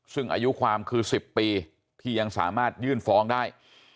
ซึ่งอายุความคือ๑๐ปีที่ยังสามารถยื่นฟ้องได้